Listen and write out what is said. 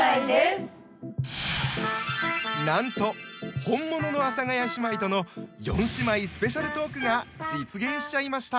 なんと本物の阿佐ヶ谷姉妹との四姉妹スペシャルトークが実現しちゃいました。